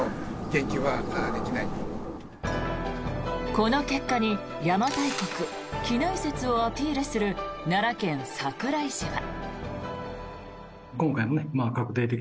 この結果に邪馬台国畿内説をアピールする奈良県桜井市は。